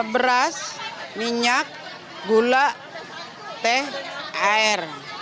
beras minyak gula teh air